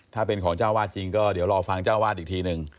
ถ้าเป็นของเจ้าวาดจริงก็เดี๋ยวรอฟังเจ้าวาดอีกทีหนึ่ง